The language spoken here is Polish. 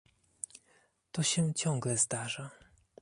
To się ciągle zdarza